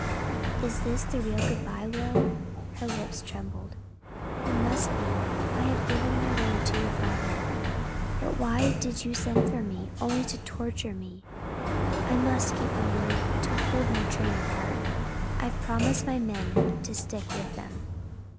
"Is this the real good by, Will?" Her lips trembled. "It must be. I have given my word to your father. But why did you send for me? Only to torture me? I must keep my word to hold my train apart. I've promised my men to stick with them."